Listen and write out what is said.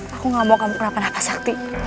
aku gak mau kamu kenapa napa sakti